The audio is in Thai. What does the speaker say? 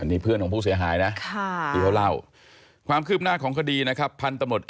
นั่งของให้๔๐บาท